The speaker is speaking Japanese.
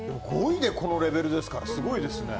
５位でこのレベルですからすごいですね。